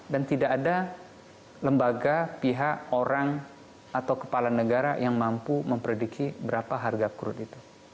dan tidak ada lembaga pihak orang atau kepala negara yang mampu memprediki berapa harga crude itu